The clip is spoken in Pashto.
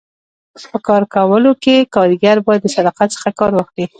په کار کولو کي کاریګر باید د صداقت څخه کار واخلي.